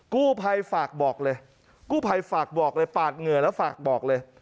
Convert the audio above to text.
กู้ภัยฝากบอกเลยกู้ภัยฝากบอกเลยปาดเหงื่อแล้วฝากบอกเลย